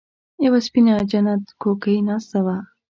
يوه سپينه جنت کوکۍ ناسته وه.